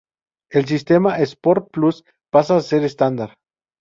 El sistema Sport Plus pasa a ser estándar.